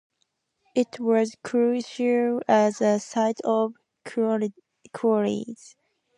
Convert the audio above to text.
It was crucial as a site of quarries.